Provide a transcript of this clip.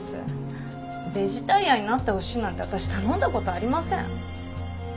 ベジタリアンになってほしいなんて私頼んだ事ありません。